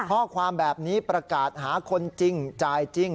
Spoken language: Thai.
ข้อความแบบนี้ประกาศหาคนจริงจ่ายจริง